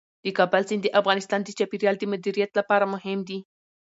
د کابل سیند د افغانستان د چاپیریال د مدیریت لپاره مهم دي.